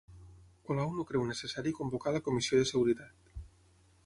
Colau no creu necessari convocar la Comissió de Seguretat